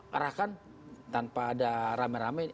arahkan tanpa ada rame rame